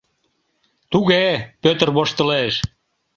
— Туге, — Пӧтыр воштылеш.